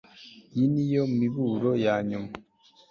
Iyi niyo miburo yanyuma